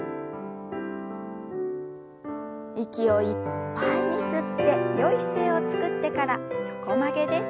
息をいっぱいに吸ってよい姿勢をつくってから横曲げです。